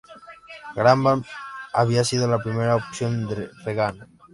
Graham había sido la primera opción de Reagan.